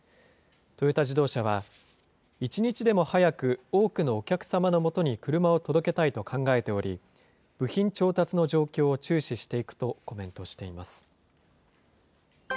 トヨタ自動車は、一日でも早く多くのお客様のもとに車を届けたいと考えており、部品調達の状況を注視していくとコメントしています。